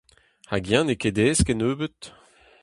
Hag eñ n'eo ket aes kennebeut.